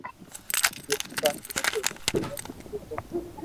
ميرپور موٽو ھير ھين سٺو ھي